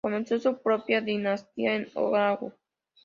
Comenzó su propia dinastía en Oʻahu.